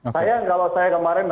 sayang kalau saya kemarin